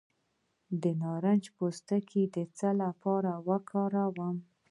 د نارنج پوستکی د څه لپاره وکاروم؟